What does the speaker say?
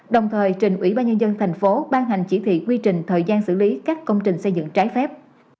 đồng thời trình ủy ban nhân dân thành phố ban hành chỉ thị quy trình thời gian xử lý các công trình xây dựng trái phép